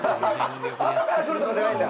あとからくるとかじゃないんだ